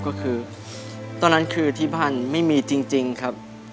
ก็คือตอนนั้นคือที่บ้านไม่มีจริงครับ